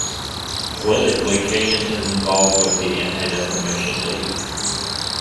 Politically Kanan is involved with the Anti-Defamation League.